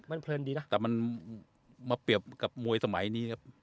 มันเพลินดีนะแต่มันมาเปรียบกับมวยสมัยนี้ครับ